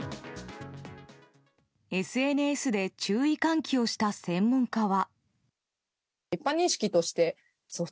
ＳＮＳで注意喚起をした専門家は。